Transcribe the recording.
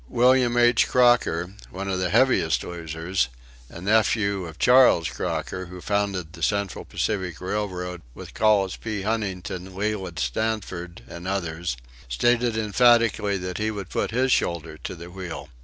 William H. Crocker, one of the heaviest losers, a nephew of Charles Crocker, who founded the Central Pacific Railroad with Collis P. Huntington, Leland Stanford and others, stated emphatically that he would put his shoulder to the wheel.